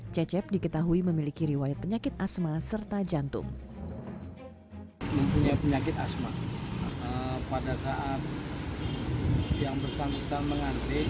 cecep diketahui memiliki riwayat penyakit asma serta jantung